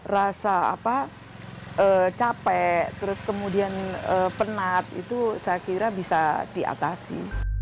rasa capek terus kemudian penat itu saya kira bisa diatasi